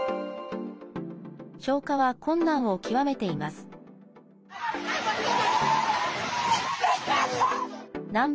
消火は困難を極めています。